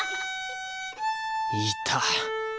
いた！